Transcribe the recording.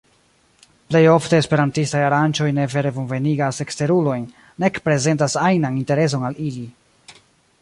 Plej ofte esperantistaj aranĝoj ne vere bonvenigas eksterulojn, nek prezentas ajnan intereson al ili.